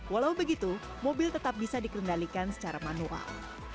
walau begitu mobil tetap bisa dikendalikan secara manual